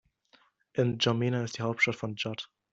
N’Djamena ist die Hauptstadt von Tschad.